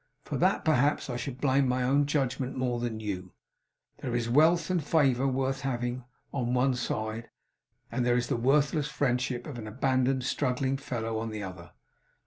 For that, perhaps, I should blame my own judgment more than you. There is wealth and favour worth having, on one side; and there is the worthless friendship of an abandoned, struggling fellow, on the other.